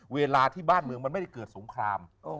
เวลาที่บ้านเมืองมันไม่ได้เกิดสงคราม